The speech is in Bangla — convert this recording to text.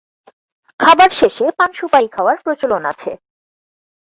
খাবার শেষে পান সুপারি খাওয়ার প্রচলন আছে।